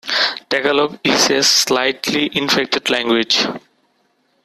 Tagalog is a slightly inflected language.